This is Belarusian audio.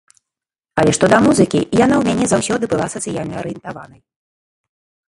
Але што да музыкі, яна ў мяне заўсёды была сацыяльна арыентаванай.